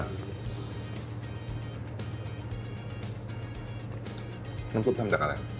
น้ำซุปทำจากอะไร